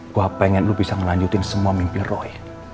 gue pengen lu bisa melanjutin semua mimpi roy